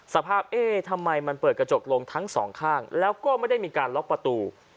เอ๊ะทำไมมันเปิดกระจกลงทั้งสองข้างแล้วก็ไม่ได้มีการล็อกประตู